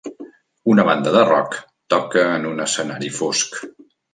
Una banda de rock toca en un escenari fosc.